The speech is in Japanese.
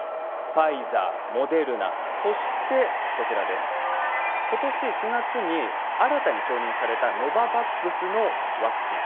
ファイザー、モデルナことし４月に新たに承認されたノババックスのワクチン。